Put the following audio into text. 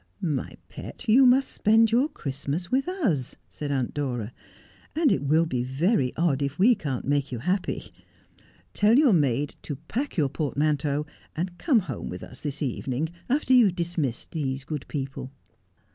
' My pet, you must spend your Christmas with us,' said Aunt Dora ;' and it will be very odd if we can't make you happy. Tell your maid to pack your portmanteau, and come home with us this evening, after you've dismissed these good people.'